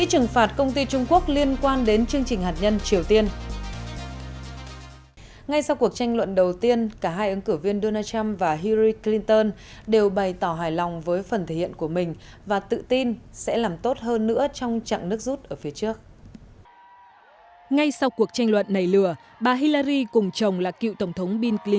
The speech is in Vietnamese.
hai ứng cử viên hài lòng sau cuộc chiến